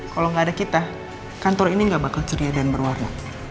kalau nggak ada kita kantor ini gak bakal ceria dan berwarna